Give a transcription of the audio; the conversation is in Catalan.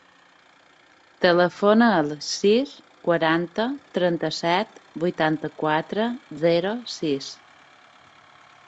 Telefona al sis, quaranta, trenta-set, vuitanta-quatre, zero, sis.